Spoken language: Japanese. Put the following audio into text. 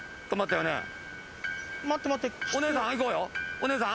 お姉さん。